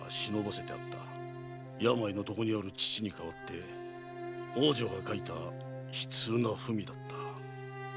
病の床にある父に代わって王女が書いた悲痛な文だった。